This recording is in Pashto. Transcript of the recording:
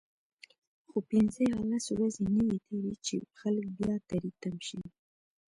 خو پنځه یا لس ورځې نه وي تیرې چې خلک بیا تری تم شي.